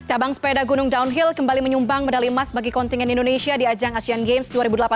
cabang sepeda gunung downhill kembali menyumbang medali emas bagi kontingen indonesia di ajang asean games dua ribu delapan belas